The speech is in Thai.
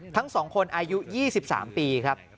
ทั้ง๒คนอายุ๒๓ปีครับ